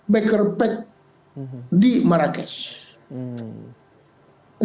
backer pack di marrakesh